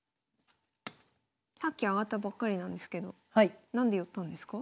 さっき上がったばっかりなんですけど何で寄ったんですか？